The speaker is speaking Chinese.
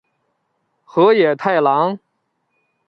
河野太郎。